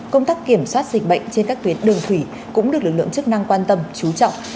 công tác kiểm soát dịch bệnh trên các tuyến đường thủy cũng được lực lượng chức năng quan tâm chú trọng